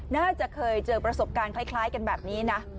น่าจะเคยเจอประสบการณ์คล้ายกันแบบนี้นะ